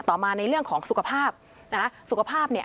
ต่อมาในเรื่องของสุขภาพนะคะสุขภาพเนี่ย